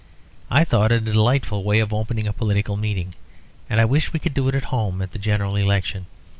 I thought it a delightful way of opening a political meeting; and I wished we could do it at home at the General Election.